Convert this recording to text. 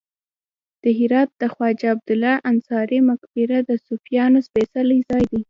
د هرات د خواجه عبدالله انصاري مقبره د صوفیانو سپیڅلی ځای دی